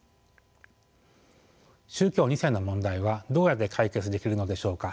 宗教２世の問題はどうやって解決できるのでしょうか。